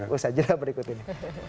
usah jelah berikut ini